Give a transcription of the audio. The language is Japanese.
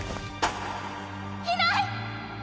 いない！